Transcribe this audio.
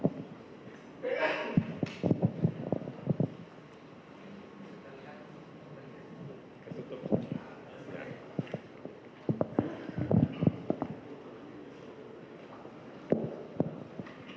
coba disiapkan dibantu